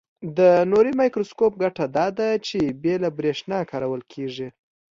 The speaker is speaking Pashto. د نوري مایکروسکوپ ګټه داده چې بې له برېښنا کارول کیږي.